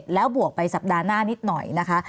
แล้วบวกไปสัปดาห์หน้านิดหน่อยนะคะ